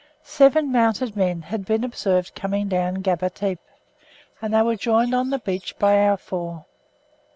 Seven mounted men had been observed coming down Gaba Tepe, and they were joined on the beach by our four.